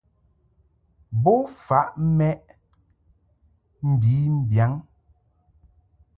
Bo faʼ mɛʼ mbi mbiyaŋ.